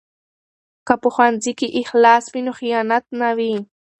که په ښوونځي کې اخلاص وي نو خیانت نه وي.